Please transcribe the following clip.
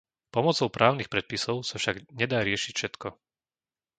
Pomocou právnych predpisov sa však nedá riešiť všetko.